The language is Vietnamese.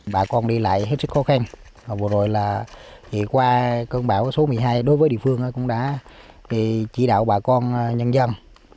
bà con đi lại hết sức khó khăn vừa rồi là qua cơn bão số một mươi hai đối với địa phương cũng đã chỉ đạo bà con nhân dân